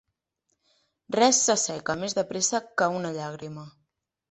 Res se seca més de pressa que una llàgrima.